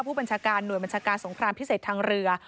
ผู้บัญชาการหน่วยบัญชาการสงครามพิเศษทางเรือ